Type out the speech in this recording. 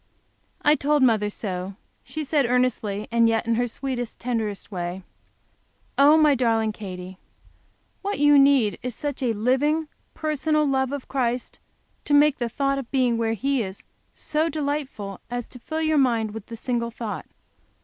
I told mother so. She said earnestly, and yet in her sweetest, tenderest way, "Oh, my darling Katy! What you need is such a living, personal love to Christ as shall make the thought of being where He is so delightful as to fill your mind with that single thought!"